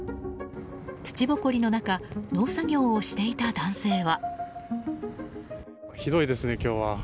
土ぼこりの中農作業をしていた男性は。